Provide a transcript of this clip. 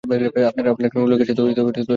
আপনার একজন উকিলের সাথে কথা বলা উচিত।